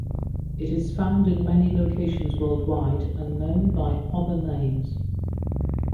It is found in many locations worldwide and known by other names.